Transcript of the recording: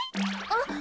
あっ！